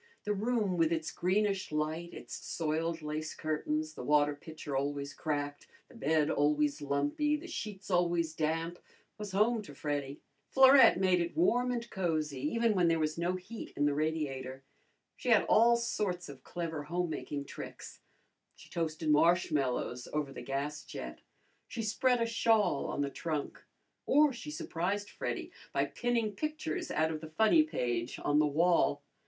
The room with its greenish light, its soiled lace curtains, the water pitcher always cracked, the bed always lumpy, the sheets always damp, was home to Freddy. Florette made it warm and cozy even when there was no heat in the radiator. She had all sorts of clever home making tricks. She toasted marshmallows over the gas jet; she spread a shawl on the trunk; or she surprised Freddy by pinning pictures out of the funny page on the wall.